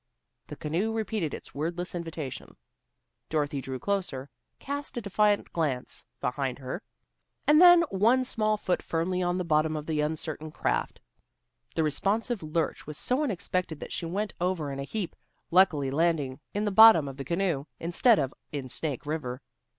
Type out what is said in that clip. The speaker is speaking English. The canoe repeated its wordless invitation. Dorothy drew closer, cast a defiant glance behind her, and then set one small foot firmly on the bottom of the uncertain craft. The responsive lurch was so unexpected that she went over in a heap, luckily landing in the bottom of the canoe, instead of in Snake River.